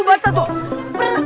itu baca dong